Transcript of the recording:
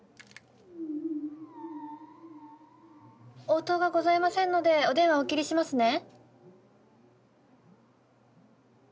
応答がございませんのでお電話お切りしますね。